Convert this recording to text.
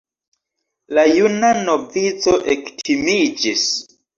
La juna novico ektimiĝis.